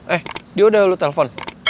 eh dia udah lo telpon